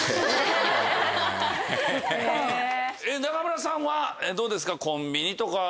中村さんはどうですか？